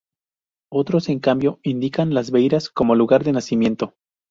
Otros, en cambio, indican las Beiras como lugar de nacimiento.